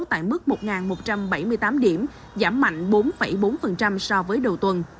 tại mức một một trăm bảy mươi tám điểm giảm mạnh bốn bốn so với đầu tuần